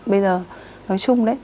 bây giờ nói chung đấy